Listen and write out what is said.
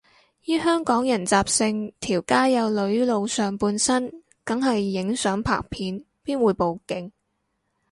依香港人習性，條街有女露上半身梗係影相拍片，邊會報警